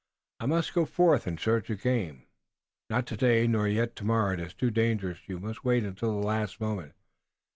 I must go forth in search of game." "Not today, nor yet tomorrow. It is too dangerous. You must wait until the last moment.